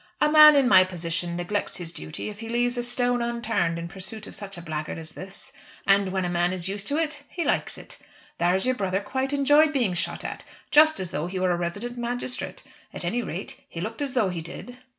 "A man in my position neglects his duty if he leaves a stone unturned in pursuit of such a blackguard as this. And when a man is used to it, he likes it. There's your brother quite enjoyed being shot at, just as though he were resident magistrate; at any rate, he looked as though he did."